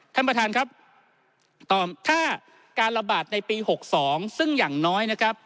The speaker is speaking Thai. ท่านประธานครับต่อถ้าการระบาดในปี๖๒ซึ่งอย่างน้อยนะครับ